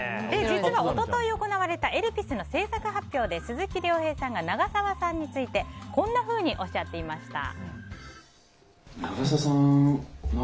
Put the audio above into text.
実は一昨日行われた「エルピス」の制作発表で鈴木亮平さんが長澤さんについてこんなふうにおっしゃっていました。